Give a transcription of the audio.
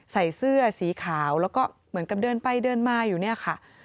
ใส่เสื้อสีขาวแล้วก็เหมือนกับเดินไปเดินมาอยู่เนี่ยค่ะ